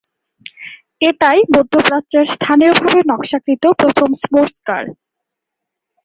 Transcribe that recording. এটাই মধ্যপ্রাচ্যের স্থানীয়ভাবে নকশাকৃত প্রথম স্পোর্টস কার।